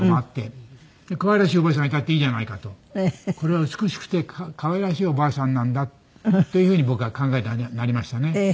これは美しくて可愛らしいおばあさんなんだという風に僕は考えてなりましたね。